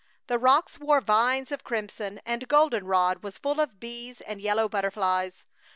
The rocks wore vines of crimson, and goldenrod was full of bees and yellow butterflies.